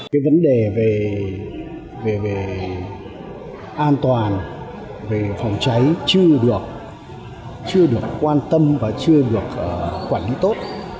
cái vấn đề về an toàn về phòng cháy chưa được quan tâm và chưa được quản lý tốt